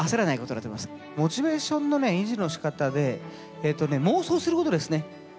モチベーションのね維持のしかたで妄想することですね。